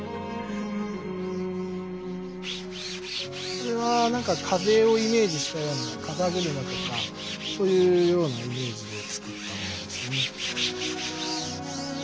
これはなんか風をイメージしたような風車とかそういうようなイメージで作ったものですね。